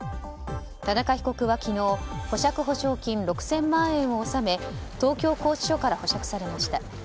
田中被告は昨日保釈補償金６０００万円を納め東京拘置所から保釈されました。